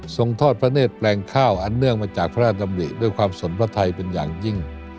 ทอดพระเนธแปลงข้าวอันเนื่องมาจากพระราชดำริด้วยความสนพระไทยเป็นอย่างยิ่ง